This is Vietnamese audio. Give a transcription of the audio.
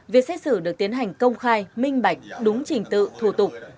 việc xét xử được tiến hành công khai minh bạch đúng trình tự thủ tục